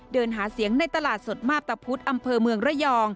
เดินหาเสียงในตลาดสดมาพตะพุธอำเภอเมืองระยอง